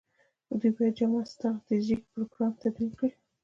دوی باید جامع ستراتیژیک پروګرام تدوین کړي.